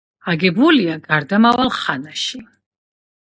აგებულია გარდამავალ ხანაში.